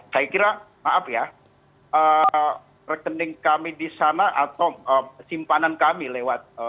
saya kira maaf ya rekening kami di sana atau simpanan kami lewat